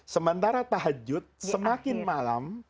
sementara tahajud semakin malam